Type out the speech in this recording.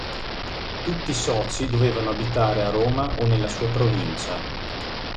Tutti i soci dovevano abitare a Roma o nella sua Provincia.